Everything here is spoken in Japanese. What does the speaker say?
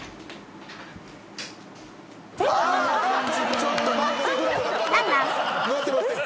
ちょっと待ってくれ。